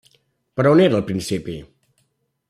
Però on era el principi?